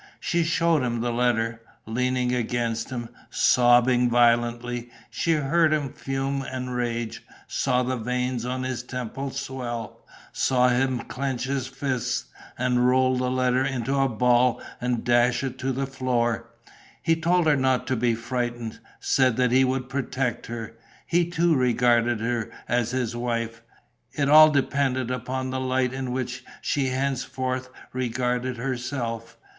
She showed him the letter. Leaning against him, sobbing violently, she heard him fume and rage, saw the veins on his temples swell, saw him clench his fists and roll the letter into a ball and dash it to the floor. He told her not to be frightened, said that he would protect her. He too regarded her as his wife. It all depended upon the light in which she henceforth regarded herself.